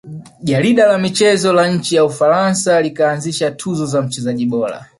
Jarida la michezo la nchi ya ufaransa likaanzisha tuzo za mchezaji bora